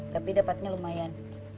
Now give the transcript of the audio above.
tapi dapatnya lumayan